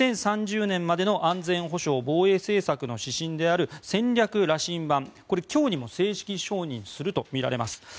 ２０３０年までの安全保障・防衛政策の指針である戦略羅針盤、これは今日にも正式承認するとみられます。